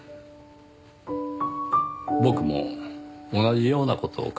僕も同じような事を考えていました。